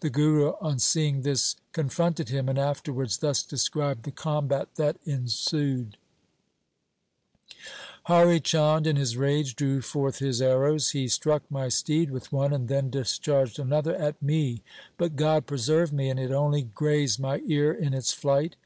The Guru on seeing this confronted him, and after wards thus described the combat that ensued :— Hari Chand, in his rage, drew forth his arrows. He struck my steed with one and then discharged another at me, but God preserved me and it only grazed my ear in its flight.